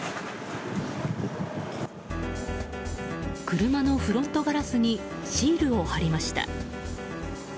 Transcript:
車のフロントガラスにシールを貼りました。